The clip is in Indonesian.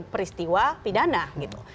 peristiwa pidana gitu